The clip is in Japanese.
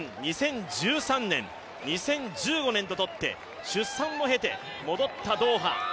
そこから２００９年、２０１３年、２０１５年と取って出産を経て戻ったドーハ。